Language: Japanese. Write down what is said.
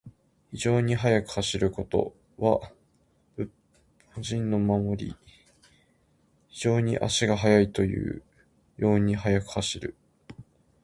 非常に速く走ること。「韋駄天」は仏法・寺院の守り神。増長天八将軍の一。金剛杵をもち、非常に足が速いという。韋駄天のように速く走る意。